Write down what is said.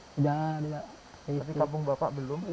tapi kampung bapak belum